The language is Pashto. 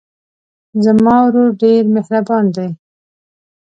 زما ورور ډېر مهربان دی.